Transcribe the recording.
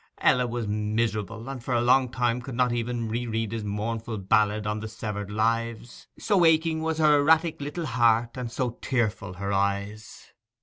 Ella was miserable, and for a long time could not even re read his mournful ballad on 'Severed Lives,' so aching was her erratic little heart, and so tearful her eyes.